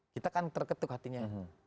kita kan terketuk hatinya